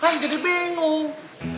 kan jadi bingung